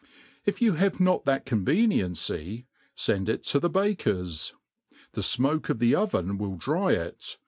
If you have not that conveniency, fend it to the baker's ; the finoke of the oven will dry it.